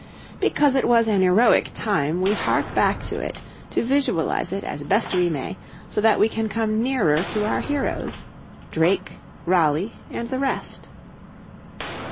Because it was an heroic time we hark back to it to visualize it as best we may so that we can come nearer to our heroes Drake, Raleigh, and the rest.